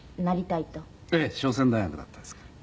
ええ。商船大学だったですから。